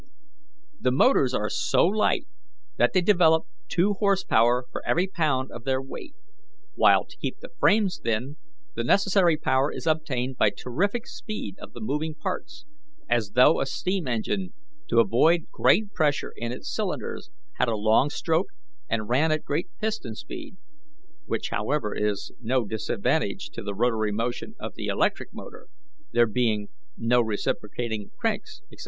"The motors are so light that they develop two horse power for every pound of their weight; while, to keep the frames thin, the necessary power is obtained by terrific speed of the moving parts, as though a steam engine, to avoid great pressure in its cylinders, had a long stroke and ran at great piston speed, which, however, is no disadvantage to the rotary motion of the electric motor, there being no reciprocating cranks, etc.